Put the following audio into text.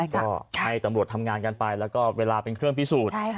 ก็ให้ตำรวจทำงานกันไปแล้วก็เวลาเป็นเครื่องพิสูจน์